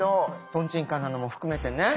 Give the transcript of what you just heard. とんちんかんなのも含めてね。